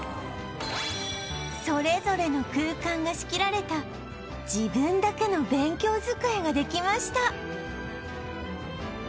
それぞれの空間が仕切られた自分だけの勉強机ができました